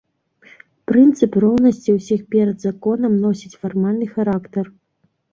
Прынцып роўнасці ўсіх перад законам носіць фармальны характар.